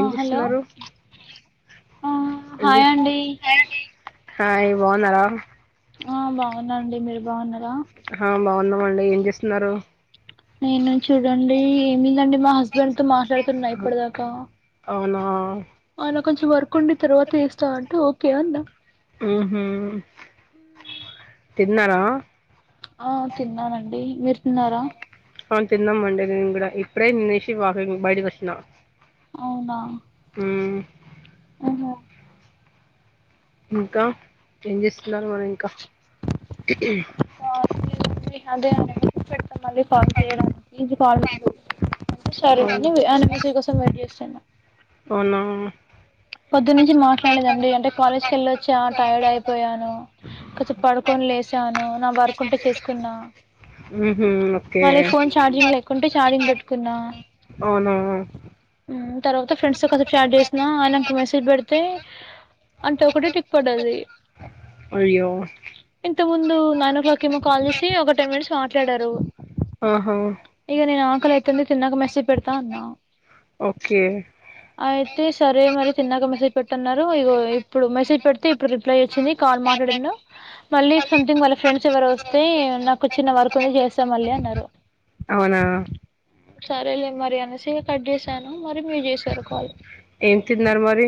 ఆ హలో చేస్తున్నారు ఆ హాయ్ అండి హాయ్ బాగున్నారా ఆ బాగున్నాండి మీరు బాగున్నారా ఆ బాగున్నాము అండి ఏం చేస్తున్నారు నేను చూడండి ఏమిందండి మా హస్బెండ్ తో మాట్లాడుతున్నా ఇప్పటిదాకా అవునా ఆయన కె ఉంద ఉహ్ తిన్నారా ఆ తిన్నానండి మీరు తిన్నారా అవును తిన్నామండి నేను కూడా ఇప్పుడే నిన్నచి వాకిమ్ బయటికి వచ్చిన అవునా హ్ అ హా ఇంకా ఏం చేస్తున్నరు ఇంకా అంటే పెడతా మళ్ళీ పన్ చేయ్యడానికి పావ్ల్ ముందు అంటే సరే అని ఆయన మెసేజ్ కోసం వెయిట్ చేస్తాను అవ్నా పొద్దున్నుంచి మాట్లాడలేదండి అంటే కాలేజ్ క వెళ్ళొచ్చా టైర్డ్ అయిపోయాను కొద్సేప్ పడుకొని లేసాను నా వర్కుంటే చేస్కున్న ఊహూ ఓకే మళ్ళీ ఫోన్ చార్జింగ్ లేకుంటే చార్జింగ్ పెట్ కున్నా అవునా ఉ తర్వాత ఫ్రెండ్స్ తో కోసేప్ చాట్ చేస్ ఆ ఆయనకు మెసేజ్ పెడితే అంటే ఒకటే టిక్ పడ్డది అయ్యో ఇంత ముందు నైన్ ఓ క్లాక్ ఏమో కాల్ చేసి ఒక టెన్ మినిట్స్ మాట్లాడారు ఆహా ఇక నేను ఆకల్ అయితిందు తిన్నాక మెసేజ్ పెడతా అన్నా ఓకే అయితే సరే మరి తిన్నాక మెసేజ్ పెట్టన్నారు ఇగో ఇప్పుడు మెసేజ్ పెడితే ఇప్పుడు రిప్లై వచ్చింది కా ల్ మాట్లాడిండు మళ్ళీ సంథింగ్ వాళ్ళ ఫ్రెండ్స్ ఎవరో వస్తే నాకు చిన్న వర్క్ ఉంది చేస్తాం మళ్ళీ అన్ సరే అవునా సరేలే మరి అనేసి కట్ చేసాను మరి మీరు చేసారు కాల్ ఏం తిన్నారు మరి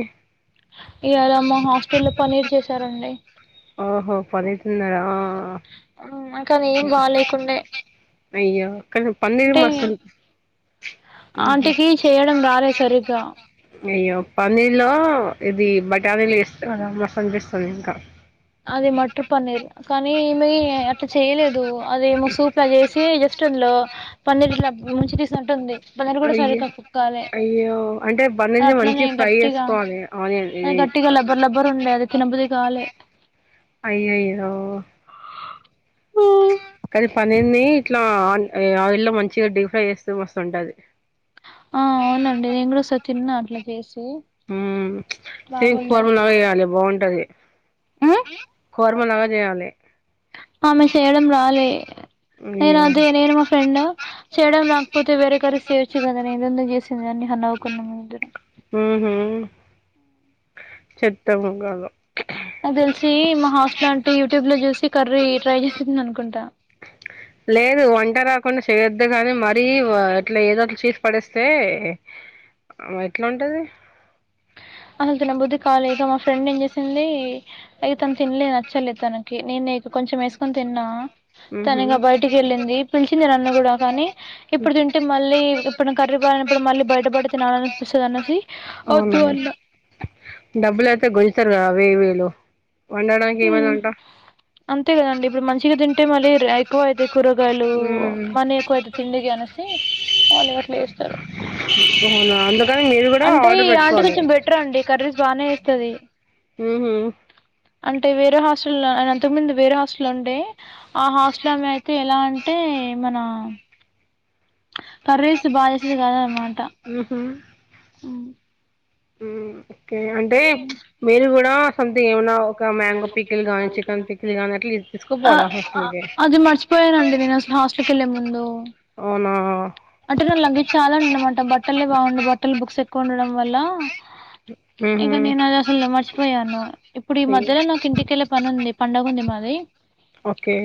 ఇవాళ మా హాస్టల్ లో పన్నీర్ చేసారండి ఓహో పన్నీర్ తిన్నరా ఆ కానీ ఏం బాలేకుండే అయ్యో కొంచెం పన్నీరు అంటే మస్తు ఉహు ఆంటీకి చేయడం రాలే సరిగ్గా అయ్యో పన్నీర్ లో ఇది బటానీలు వేస్తే మస్తన్పిస్తదింకా అది మటర్ పన్నీర్ కానీ ఈమె అట్లా చేయలేదు అదేమో సూప్లా చేసి జస్ట్ లో పన్నీర్ ఇలా ముంచి తీస్నట్టుంది లివరు కూడా అయ్యో సరిగ్గా కుక్కాలే అయ్యో అంటే అ పన్నీర్ని అట్లనే మంచిగా ఫ్రై గట్టిగా చేసుకోవాలి ఆనియన్ అది ఇది గట్టిగా లబ్బర్ లబ్బర్ ఉండే అది తినబుద్ధి కాలే అయ్యయ్యో ఆయిల్ లో మంచిగా డీఫ్రై చేస్తే మస్తుంటది ఆ అవునండి నేను కూడా ఓసార్ తిన్నా అట్లా చేసి ఉ సేమ్ బాగుండే కుర్మ లాగ్ చేయ్యాలి బాగుంటది ఉమ్ కోర్మలాగా చేయాలి ఆమె షేయడం రాలే నేను అయ్యో అదే నేను మా ఫ్రెండ్ చేయడం లేకపోతే వేరే కర చేయవచ్చు కదా నే ఇదెందుక్ చేసి చిన్నగా నవ్వుకున్నం మేమిద్దరం ఉహు చెత్త మొకాలు నాకు తెలిసి మా హాస్టల్ అంటే యూట్యూబ్ లో చూసి కర్రీ ట్రై చేసింది అనుకుంటా లేదు వంట రాకున్నా చె చేయొద్దు గాని మరీ ఇట్లా ఏదోట్ల చేసి పడేస్తే అ ఎట్లుంటది అసలు తిన బుద్ధి కాలేదు ఇంగ మా ఫ్రెండ్ ఏం చేసింది అది తన్ తినలే నచ్చలే తనకి నేను నీకు కొంచెం వేసుకొని తిన్నా ఉ తను ఇగా బయటికి వెళ్ళింది పిలిచింది నన్ను కూడా కానీ ఇప్పుడు తింటే మళ్ళీ ఇప్పుడు కర్రీపాయప్పుడు మళ్ళీ బయట పడతే నా అనుపి దు అనేసి అవునా అద్దు అన్న డబ్బులు అయితే గలుస్తారుగా వే వేళు ఉమ్ అంతే కదండి ఇప్పుడు మంచిగా తింటే అంటే మళ్ళీ ఎక్కువ అయితే కూరగాయలు ఉమ్ మనీ ఎక్కువయితది తిండికి అనేసి మళ్ళీ అట్లా వ అవునా అ అంటే ఈ ఆంటీ కొంచెం బెటర్ అండి కర్రీస్ బాగానే వేస్తుది ఉహు అంటే వేరే హాస్టల్ అన అంతకు ముందు వేరే హాస్టల్ ఉండే ఆ హాస్టల్మె అయితే ఎలా అంటే ఏ మన కర్రేస్ బాచేసేది కాదు ఆమా ఉహు ఉమ్ ఉమ్ ఓకే అంటే మీరు కూడా సథింగ్ ఏమన్నా ఒక మ్యాంగో పిక్కిల్ గాని చికెన్ పిక్లు గాని అట్లా తీసుకుపోవాలి ఆ హాస్టల్ మా హాస్టల్కి వెళ్ళే ముందు అవునా అంటే బట్టళ్ళకి చాలాండి అనమాట బట్టలే బాగుండు బట్టలు బుక్స్ ఎక్కువ ఉండడం వల్ల ఆ ఇంకా నేను అది అసలు మర్చిపోయాను ఇప్పుడు ఈ అయ్యో మధ్యలో నాకు ఇంటికెళ్ళే పని ఉంది పండుగ ఉంది మాది ఓకే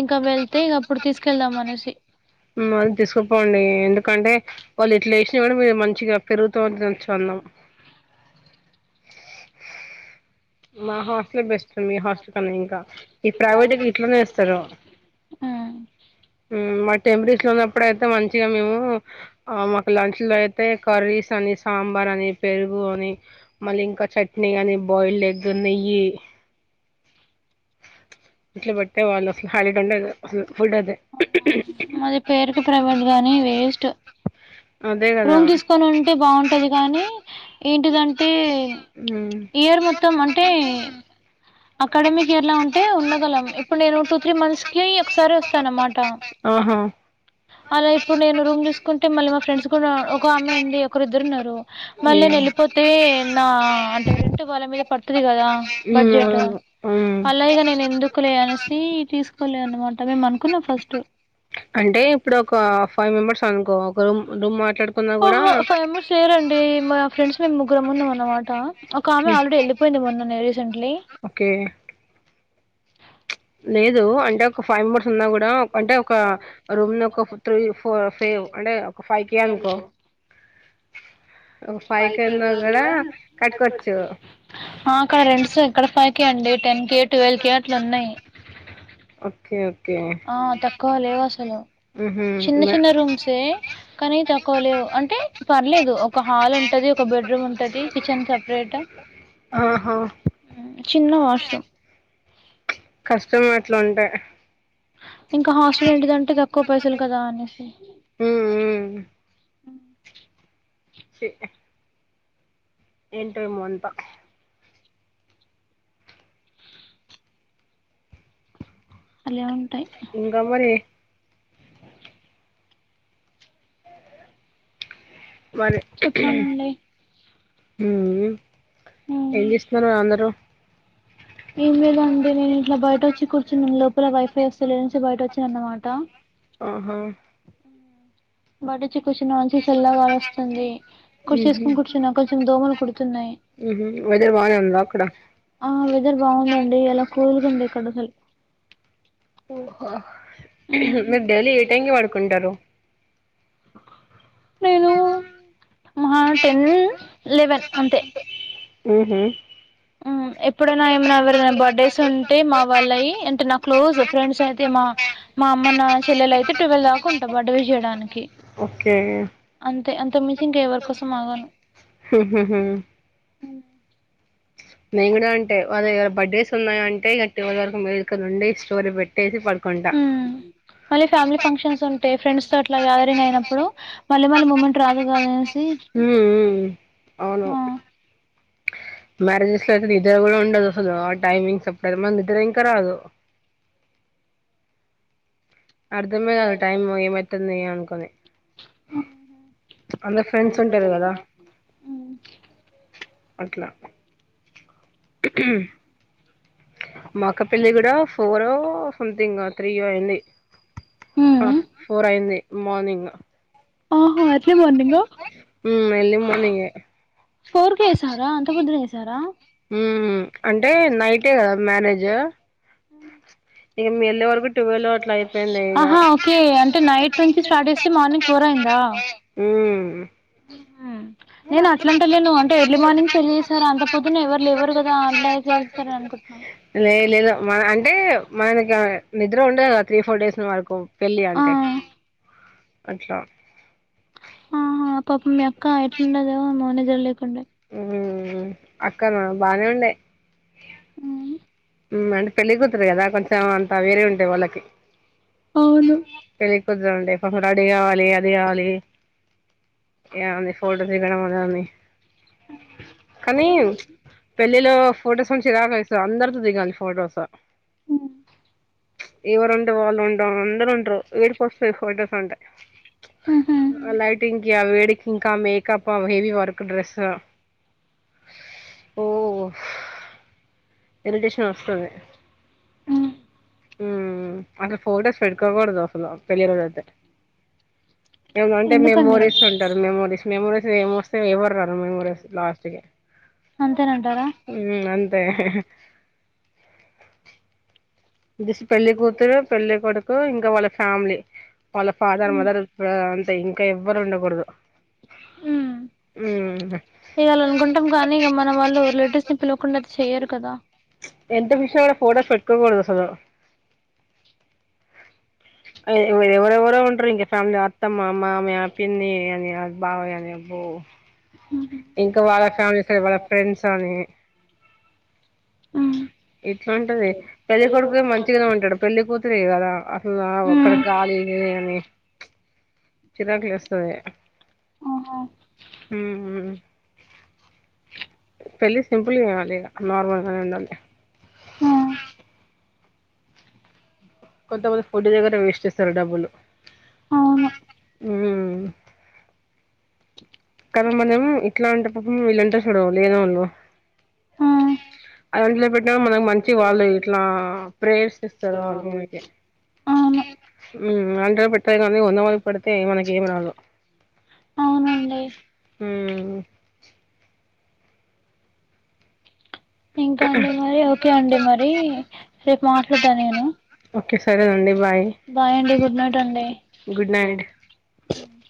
ఇంకా వెళ్తే ఇంక అప్పుడు తీసుకెళ్దాం అనేసి చపోండి ఎందుకంటే వాళ్ళు ఇట్లా వేసినా కూడా మీరు మంచిగా పెరుగుతోటి తిన్నచ్చు అన్నం మా హాస్టిల్ బెస్ట్ మీ హస ఇంకా ఈ ప్రైవేట్ కి ఇట్లనే వేస్తారు ఆ మచ్ టెంపరీస్ లో ఉన్నప్పుడ అయితే మంచిగా మేము మాకు లంచ్ లో అయితే కర్రీస్ అని సాంబార్ పెరుగు అనీ మ ఇంకా చట్నీ అనీ బాయిల్ ఇగ నెయ్యి ఇట్లే బట్టే వాళ్ళ అసలు హాలీడే ఉండదు అసల ఆ మాది పేరుకి ప్రైవేట్ గాని వేస్ట్ అదే కదా రూమ్ తీసుకొని ఉంటే బాగుంటది కానీ ఏంటిదంటే ఇయర్ మోత్తం అన్ అత్తా అకాడమిక్ ఇయర్ లా ఉంటే ఉండగలం ఇప్పుడు నేను టూ త్రీ మంత్స్కి ఒకసారి వస్తా అన్నమాట ఆహా అలా ఇప్పుడు నేను రూమ్ తీసుకుంటే మళ్ళీ మా ఫ్రెండ్స్ కూడా ఒక ఆమ్మె ఉంది ఒకరు ఇద్దరు ఉన్నారు మళ్ళీ ఇగ నేన్ వెళ్ళిపోతే నా అంటే రెంట్ వాళ్ళ మీద పడతాది కదా మ్మ్ బడ్జెట్ అవును మ్మ్ అలాగె నేను ఎందుకులె అనేసి తీసుకోలే అన్నమాట మేము అనుకున్నాం ఫస్ట్ అంటే ఇప్పుడు ఒక ఫైవ్ మెంబర్స్ అనుకో ఒక రూమ్ రూమ్ మట్ అనుకున్న కూడా ఆహా! ఫైవ్ మెంబర్స్ లేరండి మా ఫ్రెండ్స్ మేము ముగ్గురు ఉన్నాం అన్నమాట ఒక ఆమె ఉమ్, ఆల్రెడీ వెళ్ళిపోయింది మొన్ననె రీసెంట్లీ ఓకే లేదు అంటే ఒక ఫైవ్ మెంబర్స్ ఉన్నా కూడా అంటే ఒక రూమ్ ను ఒక త్రీ ఫో ఫేవ్ అంటే ఒక ఫైవ్ కే అనుకో [inaudible] ఒక ఉన్నా గూడా కట్టుకోవచ్చు. అక్కడ రెండ్స్ ఎక్కడ పైకే అండి టెన్ కి ట్వెల్వ్ కి అట్లు ఉన్నాయి ఓకే ఓ ఆ తక్కువ లేవు అసలు హుహు. చిన్న న చిన్న రూమ్సే కానీ తక్కువ లేవు అంటే పర్లేదు ఒక హాల్ ఉంటది ఒక బెడ్రూమ్ ఉంటది కిచెన్ సపరేట్ ఆ చిన్న వాష్రూమ్ కష్టం అట్లుంటే ఇంకా హాస్టల్ ఏంటిదంటే తక్కువ పైసలు కదా అనేసి ఉహ్ ఉమ్ చి ఎంటో మంత హలో ఇంకా మరి మరే చెప్పాలండి. ఉమ్ ఏం చేస్తున్నారు అందరూ ఏంలేదండి నేను ఇట్లా బయట వచ్చి కూర్చును లోపల వైఫై వస్తే లే అనేసి బయట వచ్చి అన్నమాట ఆహా బడు క్వస్య్ [unintelligible] న్ కొంచెం నాన్సెజల్లాగాాల వస్తుంది హుహు. కొేసుకుొని కూర్చున్న కొంచెం దోమలు కుడుతున్నాయి ఉ వెదర్ వాలే ఆ వెదర్ బాగుందండి ఎలా కూలుగా ఉందో ఇక్కడ అసలు ఓహో మీరు డైలీ ఏ టైంగ్కి పడుకుంటారు నేను మహా టెన్ లెవెన్ అంతే ఉహు ఎప్పుడైనా ఏమన్నా ఎవరైనా బర్త్డేస్ ఉంటే మా వాళ్లయి అంటే నా క్లోజ్ ఫ్రెండ్స్ అయితే మా మా అమ్మ నా చెల్లెలు అయితే ట్వెల్వ్ దాకా ఉంటా బర్తడే విష్ చేయడానికి ఓకే అంతకుమించి ఎవరు కోసం ఆగను హు హు మేను కూడా అంటే వాళ్ ఎవరు బర్త్డేస్ ఉన్నాయ అంటే ట్వల్ వరకు మేలుకోండి స్టోరి పెట్టేసి పడుకు ఉమ్ మళ్ళీ ఫ్యామిలీ ఫంక్షన్స్ ఉంటె ఫ్రెండ్స్ తో అట్లా రిగ్ అయినప్పుడు మళ్ళీ మళ్ళీ మూమెంట్ రాదు కద అనేసి ఉ ఉ హు అవును ఆ మ్యారేజెస్ లో అయితే నిదరా కూడా ఉండదుసలు టైమింగ్స్ అప్పుడ మ నిద్ర ఇంకా రాదు అర్థమే గాదు అ టైమ్ ఏమైతాండో మెంద్య అనుకునే అందరు ఫ్రెండ్స్ ఉంటారు కదా అట్లా మా అక్క పెళ్లి కూడా ఫోర్ సంథింగ్ త్రీయో అనీ ఆ హ్మ్ ఫోర్ అయింది మార్నింగ్ ఆహా ఎర్లీ మార్నింగ్ ఉ ఎర్లీ మార్నింగ్ ఫోర్ కే ఎసారా అంత పొద్దున్నే వేసారా మ్ అంటే నైటే కదా మ్యారేజ్ ఇక మేము వెళ్ళే వరకు ట్వెల్వ్ అట్లా అయిపోయింది ఇక ఆహా ఓకే అంటే నైట్ నుంచి స్టార్ట్ చేస్తే మార్నింగ్ ఫోర్ మైందా మ్ నేను అట్లాంటేలేను అంటే ఎర్లీ మార్నింగ్ పెళ్లి చేసారు అంత పొద్దున్నే ఎవరు లేవరు కదా అట్ల చేస్తారు అనుకు చెప్ మా లే లేదు మన అంటే మనకి నిద్ర ఉండదు కదా త్రీ ఫోర్ డేస్ వరకు పెళ్లి ఆ అంటే అట్లా ఆహా పాపం మీ అక్క ఎట్లుండదే మోనిదడ్ లేకుండ మ్ అక్కనా బానే ఉండే మ్ మ్ అంటే పెళ్ళి కుతురు కదా కొంచెం అంత వేరే ఉంటాయి వాళ్ళకి అవును పెళ్ళ పొద్దునుండే పాపం రడి కావాలి అది కావాలి ఏంది ఫోటో దిగడం అవుతాంది కానీ పెళ్ళిలో ఫోటోస్ నుంచి చిరాకు లేస్తది అందరు దిగాలి ఫోటోస్ ఎవరు ఉండే వాళ్ళు ఉండరు అందరు ఉండరు ఏడుపొస్తాయి ఫోటోస్ అంటే ఊహు ఆ లైటింగ్కి ఆ వేడికి ఇంకా మేకప్ ఆమె హెవీ వర్క్ డ్రెస్స్ ఓ ఇరిటేషన్ వస్తది ఉమ్ ఉ అసలు ఫోటోస్ పెట్కోకూడదు అసలు పెళ్ళి రోజు అయితే ఏమన్నా అంటే ఎందుకండి మెమోరీస్ ఉంటారు మెమోరీస్ మెమోరీస్ ఏమొస్తయి ఎవరు రారు మెమోరీస్ లాస్ట్ కి అంతేనంటారా ఉ అంతే స్ పెళ్లి కూతురు పెళ్లి కొడుకు ఇంకా వాళ్ళ ఫ్యామిలీ వాళ్ళ ఫాదర్ మదర్ బ్రా అంద తే ఇంకా ఎవ్వరు ఉండకూడదు మ్మ్ చేయాలి అనుకుంటాం కానీ ఇక మన వాళ్ళు రిలేటివ్స్ ని పిలవకుండా అయితే చెయ్యరు కదా రెండు విషయాల్లో ఫోటోస్ పెట్టుకోకూడదు అసలు ఆ ఇంగ ఎవరెవరో ఉంటరు ఇంకా ఫ్యామిలీ అత్తమ్మ, మామయ్య, పిన్ని, అని బావ గాని అబ్బో ఉమ్ ఇంకా వాళ్ళ ఫ్యామిలీస్ లో ఎవర ఫ్రెండ్స్ అని అ ఇట్లుంటది పెళ్లి కొడుకు మంచిగనే ఉంటాడు పెళ్లి కూతురే కదా అసలు ఒక్కడ ఉమ్ గాలి ఇదే అని చిరాకు లేస్తది ఆహా మ్ పెళ్ళి చేయాలి ఇగ నార్మల్ గానే ఉండాలి ఆ కొంతమంది ఫుడ్ దగ్గర వేస్ట్ చేస్తారు డబ్బులు అవును మ్ ఓ కదా మనము ఇట్లా అంటే పాపం వెళ్ళుంటారు చూడు లేనోళ్ళు ఆ అంటలో పెట్టినా మనకు మంచి వాళ్ళు ఇట్లా ప్రేయర్స్ ఇస్తారు వాళ్ళు మనకి అవును మ్ అంత బెట్రే కానీ వంద మందికి పెడితే మనకి ఏమి రాదు అవునండి మ్ ఇంకా అండి మరి ఓకే అండి మరి రేపు మాట్లాడతా నేను ఓకే సరేనండి బాయ్ బాయ్ అండి గుడ్ నైట్ అండి. గుడ్ నైట్ మ్